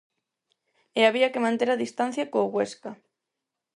E había que manter a distancia co Huesca.